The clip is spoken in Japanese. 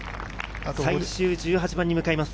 最終１８番に向かいます。